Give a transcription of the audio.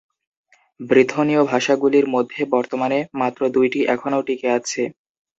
ব্রিথনীয় ভাষাগুলির মধ্যে বর্তমানে মাত্র দুইটি এখনও টিকে আছে।